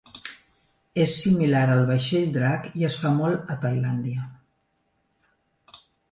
És similar al vaixell drac i es fa molt a Tailàndia.